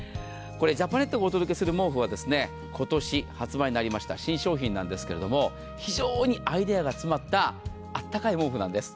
ジャパネットがお届けする毛布は今年発売になりました新商品なんですが非常にアイデアが詰まったあったかい毛布なんです。